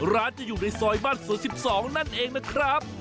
ร้านจะอยู่ในซอยบ้านสวน๑๒นั่นเองนะครับ